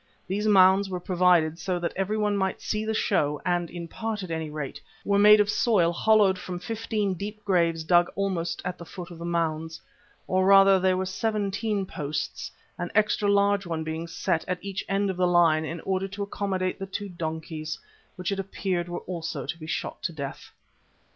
These mounds were provided so that everyone might see the show and, in part at any rate, were made of soil hollowed from fifteen deep graves dug almost at the foot of the mounds. Or rather there were seventeen posts, an extra large one being set at each end of the line in order to accommodate the two donkeys, which it appeared were also to be shot to death.